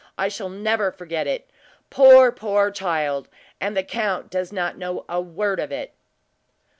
I shall never forget it! Poor, poor child; and the count does not know a word of it!"